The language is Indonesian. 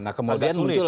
nah kemudian muncullah